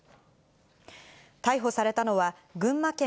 逮捕されたのは、群馬県